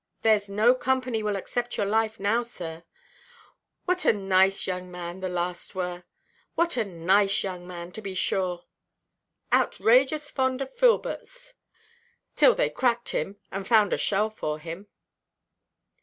Thereʼs no company will accept your life now, sir. What a nice young man the last were,—what a nice young man, to be sure! outrageous fond of filberts; till they cracked him, and found a shell for him."